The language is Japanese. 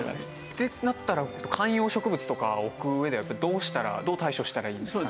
ってなったら観葉植物植物とかを置く上ではどうしたらどう対処したらいいんですか？